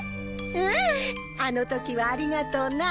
うんあのときはありがとうなぁ。